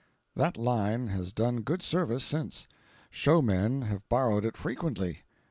That line has done good service since. Showmen have borrowed it frequently.